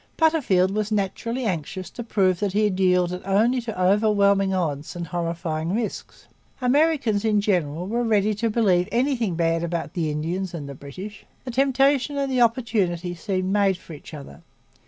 Butterfield was naturally anxious to prove that he had yielded only to overwhelming odds and horrifying risks. Americans in general were ready to believe anything bad about the Indians and the British. The temptation and the opportunity seemed made for each other.